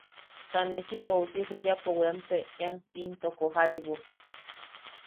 Ta ne si ousi juyapo weanpeʼean intoko jaibu.